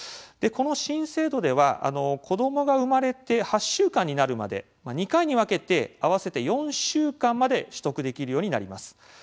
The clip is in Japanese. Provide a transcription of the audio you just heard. この新制度では子どもが生まれて８週間になるまで２回に分けて合わせて４週間まで取得できるようになります。